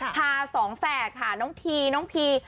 สองแฝดค่ะน้องทีน้องพี